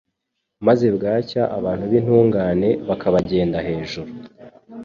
maze bwacya abantu b’intungane bakabagenda hejuru